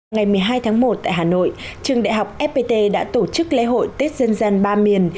ngày một mươi hai tháng một tại hà nội trường đại học fpt đã tổ chức lễ hội tết dân gian ba miền